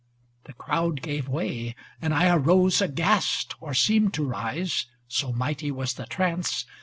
The crowd gave way, and I arose aghast. Or seemed to rise, so mighty was the trance.